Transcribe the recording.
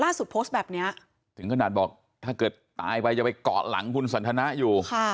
โพสต์แบบนี้ถึงขนาดบอกถ้าเกิดตายไปจะไปเกาะหลังคุณสันทนะอยู่